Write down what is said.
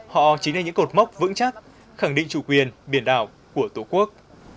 họ chính là những cột mốc vững chắc khẳng định chủ quyền biển đảo của tổ quốc